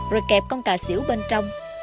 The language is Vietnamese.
rồi kẹp con cà xỉu bên trong